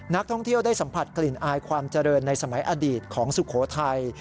นักท่องเที่ยวได้สัมผัสกลิ่นอายความเจริญในสมัยอดีตของสุโขทัย